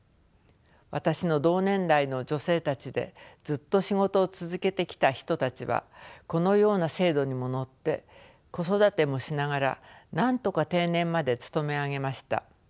私の同年代の女性たちでずっと仕事を続けてきた人たちはこのような制度にも乗って子育てもしながらなんとか定年まで勤め上げました。